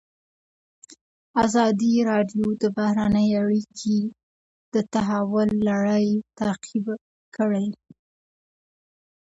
ازادي راډیو د بهرنۍ اړیکې د تحول لړۍ تعقیب کړې.